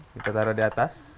kita taruh di atas